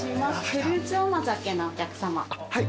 フルーツ甘酒のお客さま。